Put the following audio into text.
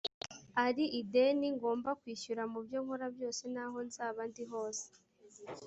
ari ideni ngomba kwishyura mu byo nkora byose n aho nzaba ndi hose